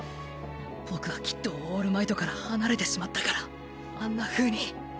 僕はきっとオールマイトから離れてしまったからあんな風に。